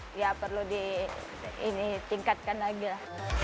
jadi ya perlu ditingkatkan lagi lah